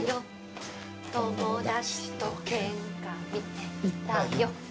「友達とケンカ見ていたよ」